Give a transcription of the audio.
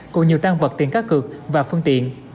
còn nhiều tăng vật tiền cát cược và phương tiện